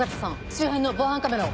周辺の防犯カメラを！